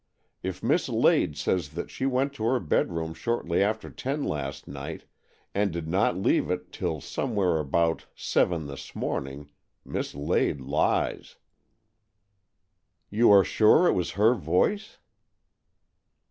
If Miss Lade says that she went to her bedroom shortly after ten last night, and did not leave it till somewhere about seven this morning, Miss Lade lies." '' You are sure it was her voice